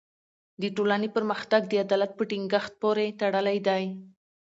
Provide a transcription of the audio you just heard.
د ټولني پرمختګ د عدالت په ټینګښت پوری تړلی دی.